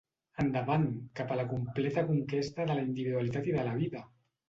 Endavant, cap a la completa conquesta de la individualitat i de la vida!